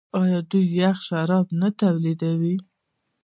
آیا دوی یخ شراب نه تولیدوي؟